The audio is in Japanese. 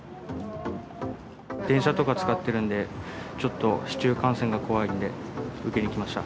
電車とか使ってるんで、ちょっと市中感染が怖いので受けに来ました。